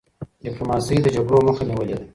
ډيپلوماسی د جګړو مخه نیولي ده.